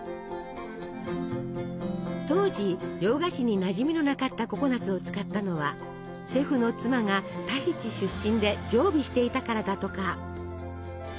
当時洋菓子になじみのなかったココナツを使ったのはシェフの妻がタヒチ出身で常備していたからだとか。